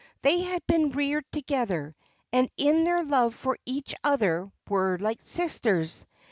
They had been reared together, and in their love for each other were like sisters.